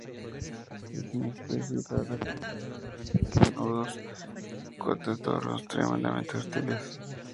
Es una especie rara que se suele encontrar en mundos con entornos tremendamente hostiles.